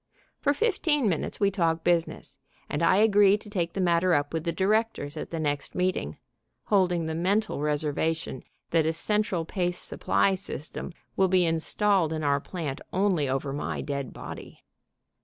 For fifteen minutes we talk business, and I agree to take the matter up with the directors at the next meeting, holding the mental reservation that a central paste supply system will be installed in our plant only over my dead body.